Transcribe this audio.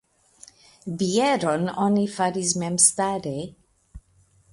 Bieron oni faris memstare.